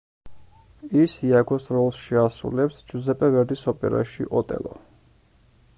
ის იაგოს როლს შეასრულებს ჯუზეპე ვერდის ოპერაში „ოტელო“.